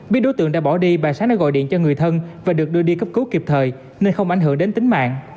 biết đối tượng đã bỏ đi bà sáng đã gọi điện cho người thân và được đưa đi cấp cứu kịp thời nên không ảnh hưởng đến tính mạng